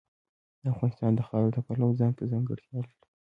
افغانستان د خاوره د پلوه ځانته ځانګړتیا لري.